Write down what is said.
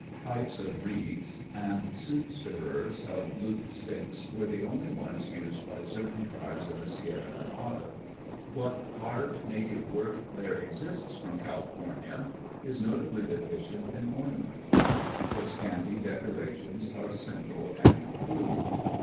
Pipes of reeds and soup stirrers of looped sticks were the only ones used by certain tribes of the Sierra Nevada. What carved native work there exists from California is notably deficient in ornament. The scanty decora tions are simple and crude.